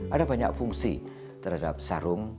ada banyak fungsi terhadap sarung